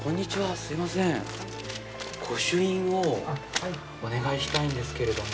すいません、御朱印をお願いしたいんですけれども。